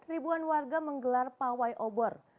ribuan warga menggelar pawai obor